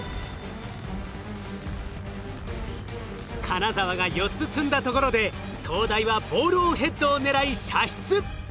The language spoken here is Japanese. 金沢が４つ積んだところで東大はボールオンヘッドを狙い射出。